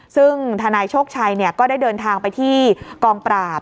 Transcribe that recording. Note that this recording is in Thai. ซึ่งทนายโชคชัยก็ได้เดินทางไปที่กองปราบ